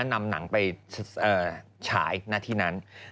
นำหนังไปฉายหน้าที่นั้น